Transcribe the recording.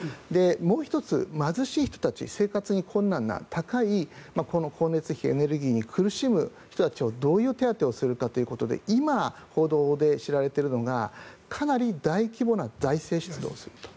もう１つ、貧しい人たち生活が困難な高い光熱費エネルギーに苦しむ人たちにどういう手当をするかということで今、報道で知られているのがかなり大規模な財政出動をすると。